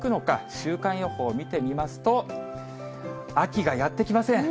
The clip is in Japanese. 週間予報を見てみますと、秋がやって来ません。